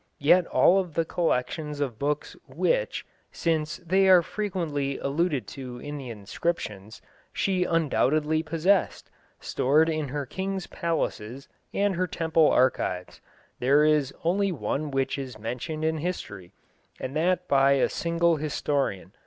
Yet of all the collections of books which, since they are frequently alluded to in the inscriptions, she undoubtedly possessed, stored in her kings' palaces and her temple archives, there is only one which is mentioned in history, and that by a single historian.